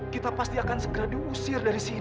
kita pasti akan segera diusir dari sini